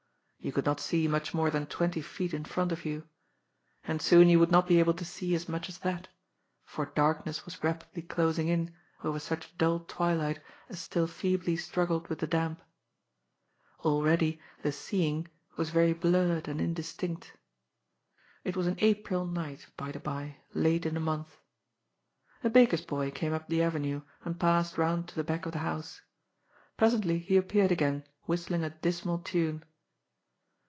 You could not see much more than twenty feet in front of you. And soon you would not be able to see as much as that, for darkness was rapidly closing in over such dull twilight as still feebly struggled with the damp. Already the " seeing " was very blurred and indistinct. It was an April night, by the bye, late in the month. A baker's boy came up the avenue and passed round to the back of the house. Presently he appeared again whist ling a dismal tune.